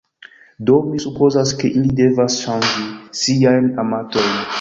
Do, mi supozas ke ili devas ŝanĝi siajn amatojn.